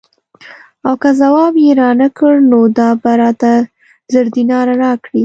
او که ځواب یې رانه کړ نو دا به راته زر دیناره راکړي.